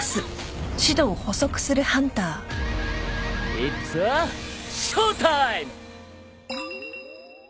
イッツアショータイム！